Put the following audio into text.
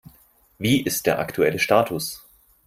Wie ist der aktuelle Status?